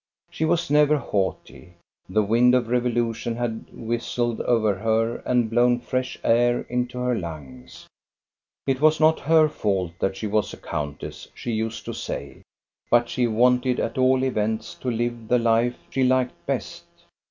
She was never haughty; the wind of revolution had whistled over her and blown fresh air into her lungs. It was not her fault that she was a countess, she used to say; but she wanted at all events to live the life she liked best.